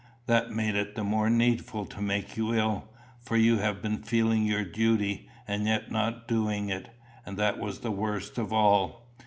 "That made it the more needful to make you ill; for you had been feeling your duty, and yet not doing it; and that was worst of all.